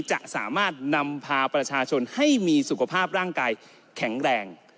จะสามารถนำพาประชาชนให้มีสุขภาพร่างกายแข็งแรง